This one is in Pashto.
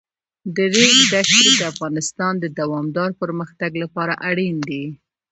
د ریګ دښتې د افغانستان د دوامداره پرمختګ لپاره اړین دي.